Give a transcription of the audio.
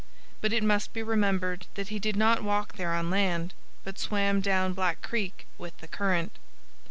But it must be remembered that he did not walk there on land, but swam down Black Creek with the current.